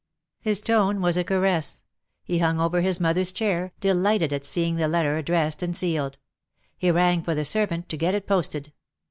His tone was a caress. He hung over his mother's chair, delighted at seeing the letter addressed and sealed. He rang for the servant to get it posted.